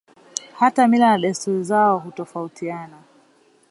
Hata mila na desturi zao hutofautiana